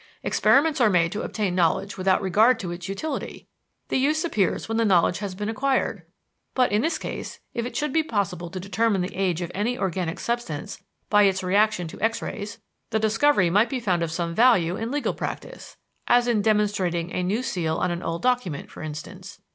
Experiments are made to obtain knowledge without regard to its utility. The use appears when the knowledge has been acquired. But in this case, if it should be possible to determine the age of any organic substance by its reaction to X rays, the discovery might be found of some value in legal practise as in demonstrating a new seal on an old document, for instance.